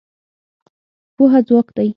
پوهه ځواک دی.